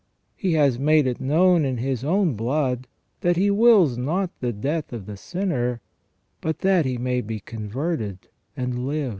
He has made it known in His own blood that He wills not the death of the sinner, but that he may be converted and live.